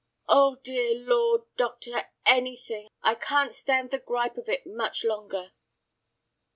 "Oh, dear Lord, doctor, anything; I can't stand the gripe of it much longer."